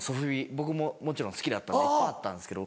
僕ももちろん好きだったんでいっぱいあったんですけど。